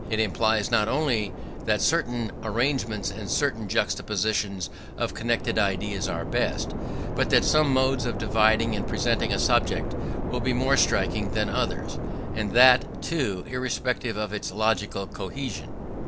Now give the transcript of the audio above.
It implies not only that certain arrangements and certain juxtapositions of connected ideas are best; but that some modes of dividing and presenting a subject will be more striking than others; and that, too, irrespective of its logical cohesion.